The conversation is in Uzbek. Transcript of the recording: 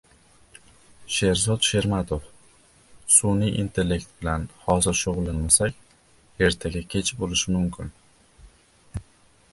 Sherzod Shermatov: “Sun'iy intellekt bilan hozir shug‘ullanmasak, ertaga kech bo‘lishi mumkin”